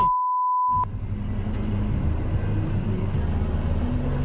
โต๊ะ